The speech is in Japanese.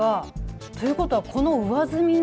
ということは、この上澄みに。